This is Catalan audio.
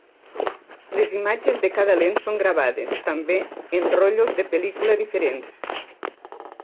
Les imatges de cada lent són gravades, també, en rotllos de pel·lícula diferents.